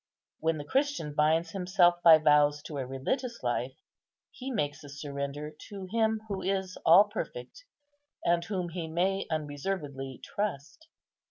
When the Christian binds himself by vows to a religious life, he makes a surrender to Him who is all perfect, and whom he may unreservedly trust.